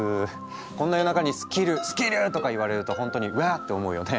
こんな夜中にスキルスキル！とか言われるとほんとにうわって思うよね。